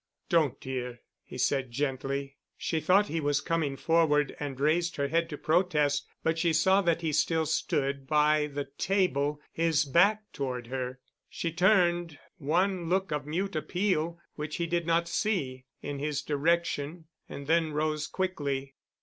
"Don't, dear," he said gently. She thought he was coming forward and raised her head to protest, but she saw that he still stood by the table, his back toward her. She turned one look of mute appeal, which he did not see, in his direction, and then rose quickly.